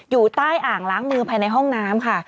อยู่ใต้อ่างล้างมือภายในห้องน้ำค่ะ